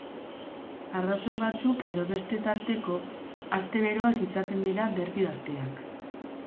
Arrazoi batzuk edo beste tarteko, aste beroak izaten dira derbi asteak.